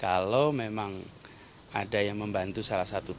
kalau memang ada yang membantu lebih baik mundur sekarang